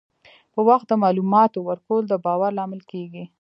په وخت د معلوماتو ورکول د باور لامل کېږي.